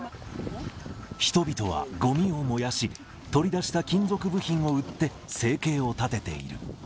人々はごみを燃やし、取り出した金属部品を売って、生計を立てている。